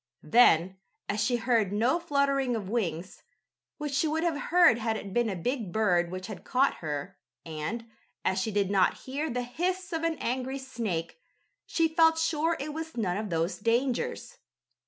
Then, as she heard no fluttering of wings, which she would have heard had it been a big bird which had caught her, and, as she did not hear the hiss of an angry snake, she felt sure it was none of those dangers.